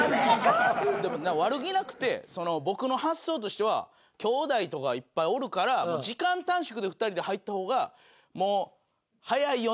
悪気なくて僕の発想としてはきょうだいとかがいっぱいおるから時間短縮で２人で入った方が早いよねみたいな。